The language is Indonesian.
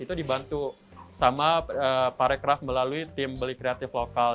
itu dibantu sama parekraf melalui tim beli kreatif lokal